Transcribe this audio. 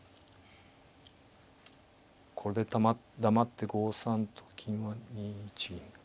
これで黙って５三と金は２一銀か。